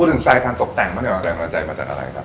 พูดถึงสายทางตกแต่งมาจากไหน